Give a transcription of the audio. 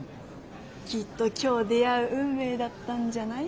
きっと今日出会う運命だったんじゃない？